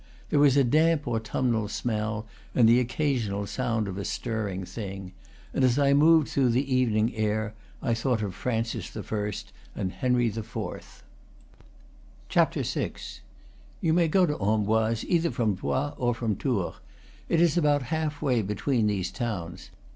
There was a damp autumnal smell and the occasional sound of a stirring thing; and as I moved through the evening air I thought of Francis I. and Henry IV. VI. You may go to Amboise either from Blois or from Tours; it is about half way between these towns.